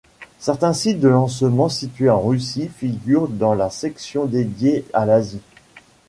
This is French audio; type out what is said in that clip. Certains sites de lancement situés en Russie figurent dans la section dédiée à l'Asie.